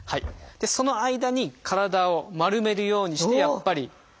その間に体を丸めるようにして下げてくると。